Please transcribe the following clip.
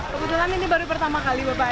kebetulan ini baru pertama kali bapak